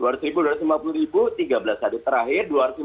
dua ratus lima puluh ribu tiga belas hari terakhir